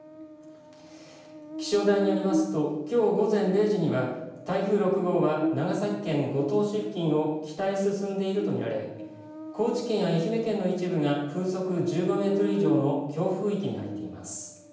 気象台によりますときょう午前０時には台風６号は長崎県五島市付近を北へ進んでいると見られ高知県や愛媛県の一部が風速１５メートル以上の強風域に入っています。